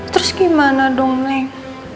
terus gimana dong neng